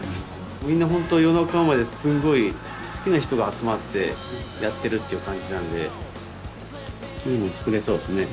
みんな本当夜中まですごい好きな人が集まってやってるっていう感じなんでいいもの作れそうですね。